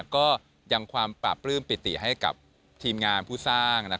ก็ยังความปราบปลื้มปิติให้กับทีมงานผู้สร้าง